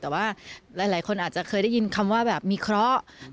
แต่ว่าหลายคนอาจจะเคยได้ยินคำว่าแบบมีเคราะห์